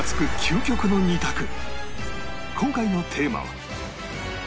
今回のテーマは